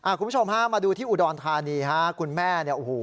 คุณผู้ชมมาดูที่อุดรธานีคุณแม่